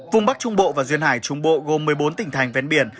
vùng bắc trung bộ và duyên hải trung bộ gồm một mươi bốn tỉnh thành ven biển